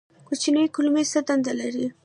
کوچنۍ کولمې څه دنده لري؟